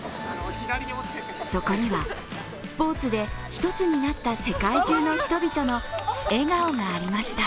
そこにはスポーツで一つになった世界中の人々の笑顔がありました。